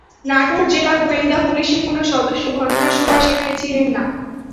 নাটোর জেলা গোয়েন্দা পুলিশের কোনো সদস্য ঘটনার সময় সেখানে ছিলেন না।